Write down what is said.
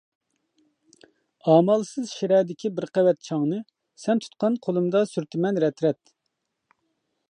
ئامالسىز شىرەدىكى بىر قەۋەت چاڭنى، سەن تۇتقان قولۇمدا سۈرتىمەن رەت-رەت.